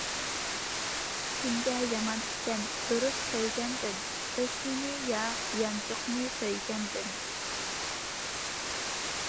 كۆنگەن يامان ئىكەن دۇرۇس كۆيگەندىن، ھۆسنىنى يا يانچۇقىنى سۆيگەندىن.